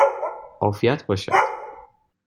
عافیت باشد!